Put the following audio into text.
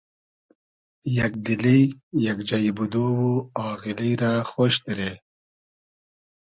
یئگ دیلی ، یئگ جݷ بودۉ و آغیلی رۂ خۉش دیرې